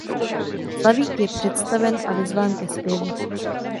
Slavík je představen a vyzván ke zpěvu.